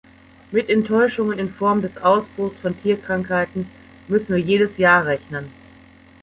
Mit Enttäuschungen in Form des Ausbruchs von Tierkrankheiten müssen wir jedes Jahr rechnen.